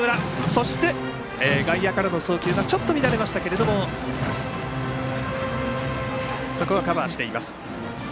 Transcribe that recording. そして、外野からの送球がちょっと乱れましたけれどもそこはカバーしています。